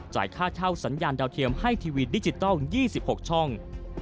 ค่าเช่าสัญญาณดาวเทียมให้ทีวีดิจิทัล๒๖ช่อง